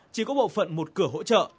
chỉ có bộ phận một cửa hỗ trợ